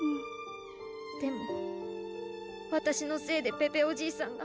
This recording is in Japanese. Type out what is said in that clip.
でもわたしのせいでペペおじいさんが！